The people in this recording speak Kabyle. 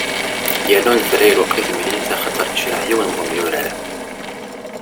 Yerna unefray lweqt i temlilit axaṭer yejreḥ yiwen n umyurar.